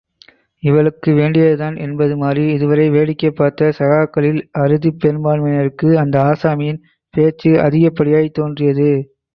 இவளுக்கு வேண்டியதுதான், என்பதுமாதிரி இதுவரை வேடிக்கைப் பார்த்த சகாக்களில் அருதிப் பெரும்பான்மையினருக்கு அந்த ஆசாமியின் பேச்சு அதிகப்படியாய் தோன்றியது.